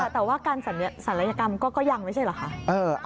แต่ว่าการศัลยกรรมก็ยังไม่ใช่เหรอคะ